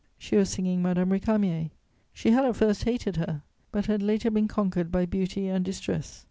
She was singing Madame Récamier. She had at first hated her, but had later been conquered by beauty and distress.